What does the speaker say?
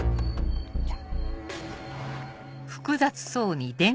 じゃ。